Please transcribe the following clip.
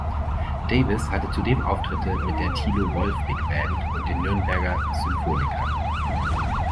Davis hatte zudem Auftritte mit der Thilo Wolff Big Band und den Nürnberger Symphonikern.